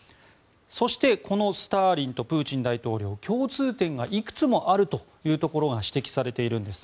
そしてこのスターリンとプーチン大統領共通点がいくつもあるというところが指摘されているんです。